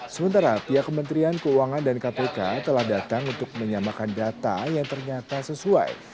sementara pihak kementerian keuangan dan kpk telah datang untuk menyamakan data yang ternyata sesuai